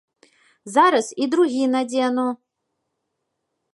Зараз і другі надзену!